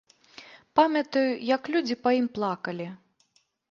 Памятаю, як людзі па ім плакалі.